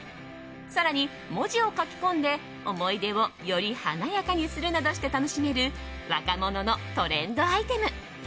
更に、文字を書き込んで思い出をより華やかにするなどして楽しめる若者のトレンドアイテム。